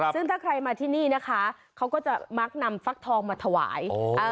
ซึ่งถ้าใครมาที่นี่นะคะเขาก็จะมักนำฟักทองมาถวาย